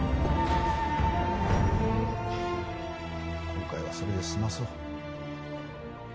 今回はそれで済まそう。